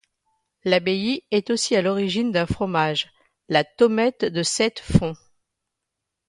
L'abbaye est aussi à l'origine d'un fromage, la Tomette de Sept Fons.